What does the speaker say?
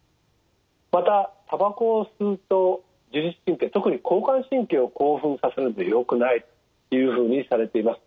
またたばこを吸うと自律神経特に交感神経を興奮させるんでよくないというふうにされています。